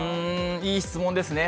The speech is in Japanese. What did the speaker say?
いい質問ですね。